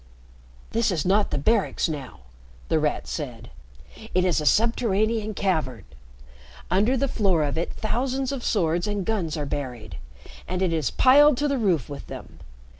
"This is not the Barracks now," The Rat said. "It is a subterranean cavern. Under the floor of it thousands of swords and guns are buried, and it is piled to the roof with them.